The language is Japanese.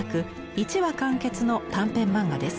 １話完結の短編漫画です。